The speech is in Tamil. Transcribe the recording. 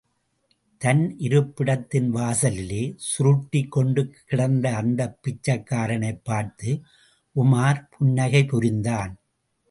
தன் இருப்பிடத்தின் வாசலிலே சுருட்டிக் கொண்டு கிடந்த அந்தப் பிச்சைக்காரனைப் பார்த்து உமார் புன்னகை புரிந்தான்.